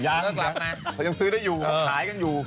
เขายังซื้อได้อยู่หายกันอยู่